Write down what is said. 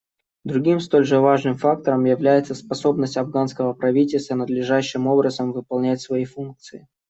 Другим столь же важным фактором является способность афганского правительства надлежащим образом выполнять свои функции.